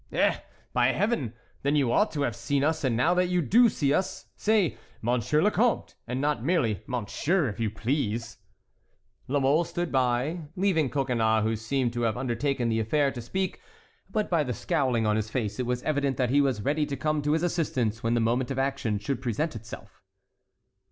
"Eh, by Heaven! then you ought to have seen us; and now that you do see us, say, 'Monsieur le Comte,' and not merely 'Monsieur,' if you please." La Mole stood by, leaving Coconnas, who seemed to have undertaken the affair, to speak; but by the scowling on his face it was evident that he was ready to come to his assistance when the moment of action should present itself.